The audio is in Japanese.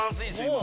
今。